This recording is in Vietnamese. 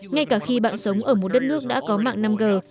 ngay cả khi bạn sống ở một đất nước đã có mạng năm g